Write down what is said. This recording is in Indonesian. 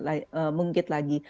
tidak mengungkit lagi